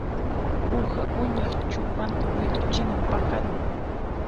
Uha uñaq cupanta wit'uchina paqarin.